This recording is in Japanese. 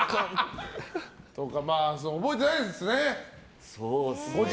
覚えてないんですね。